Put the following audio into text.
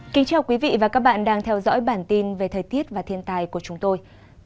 cảm ơn các bạn đã theo dõi và ủng hộ cho bản tin thời tiết và thiên tài của chúng tôi